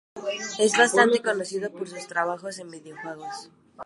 Es bastante conocido por sus trabajos en videojuegos.